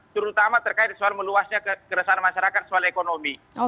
terutama terkait soal meluasnya keresahan masyarakat soal ekonomi